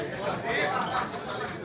tanpa making merah